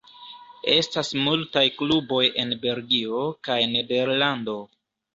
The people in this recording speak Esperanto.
Estas multaj kluboj en Belgio kaj Nederlando.